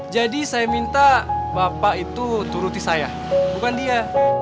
jadi saya minta bapak itu turuti saya bukan dia